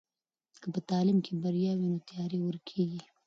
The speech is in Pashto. که په تعلیم کې بریا وي نو تیارې ورکېږي.